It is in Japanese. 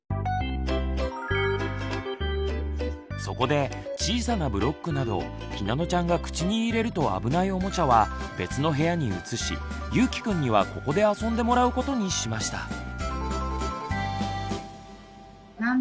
そこで小さなブロックなどひなのちゃんが口に入れると危ないおもちゃは別の部屋に移しゆうきくんにはここで遊んでもらうことにしました。